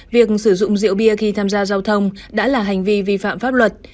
việc sử dụng rượu bia khi tham gia giao thông đã là hành vi vi phạm pháp luật